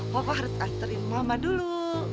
papa harus asurin mama dulu